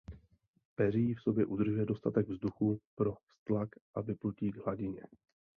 Peří v sobě udržuje dostatek vzduchu pro vztlak a vyplutí k hladině.